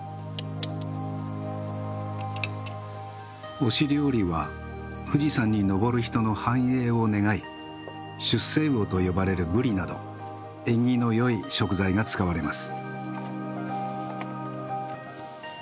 御師料理は富士山に登る人の繁栄を願い出世魚と呼ばれるブリなど縁起のよい食材が使われます。